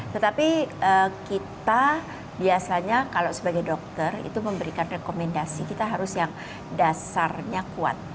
tetapi kita biasanya kalau sebagai dokter itu memberikan rekomendasi kita harus yang dasarnya kuat